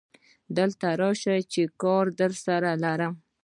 دلته ته راشه چې کار درسره لرم